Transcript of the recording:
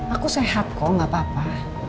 aku sehat kok gak apa apa